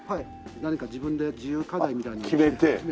何か自分で自由課題みたいなのを決めて。